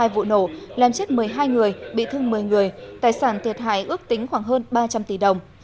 hai vụ nổ làm chết một mươi hai người bị thương một mươi người tài sản thiệt hại ước tính khoảng hơn ba trăm linh tỷ đồng